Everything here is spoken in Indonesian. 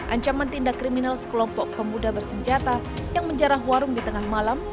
ancaman tindak kriminal sekelompok pemuda bersenjata yang menjarah warung di tengah malam